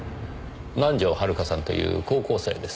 南条遥さんという高校生です。